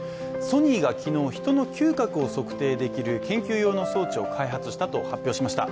ソニーが昨日、人の嗅覚を測定できる研究用の装置を開発したと発表しました。